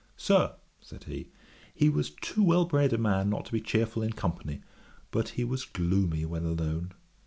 'Sir, (said he) he was too well bred a man not to be cheerful in company; but he was gloomy when alone.